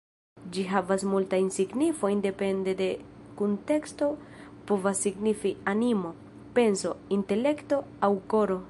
Ĝi havas multajn signifojn, depende de kunteksto, povas signifi ‘animo’, ‘penso’, ‘intelekto’ aŭ ‘koro’.